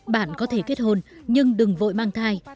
bạn có thể kết hôn nhưng đừng vội mang thai